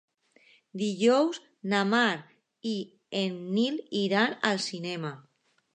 Dijous na Mar i en Nil iran al cinema.